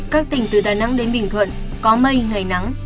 các tỉnh từ đà nẵng đến bình thuận có mây ngày nắng